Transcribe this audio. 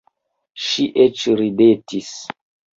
Ŝi eĉ ridetis.